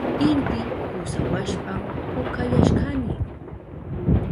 Inti kusawashpan pukayashkani.